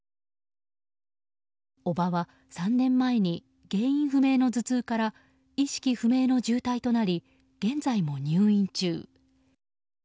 叔母は、３年前に原因不明の頭痛から意識不明の重体となり現在も入院中。